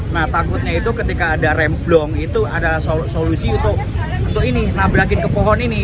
nah takutnya itu ketika ada rem blong itu ada solusi untuk ini nabrakin ke pohon ini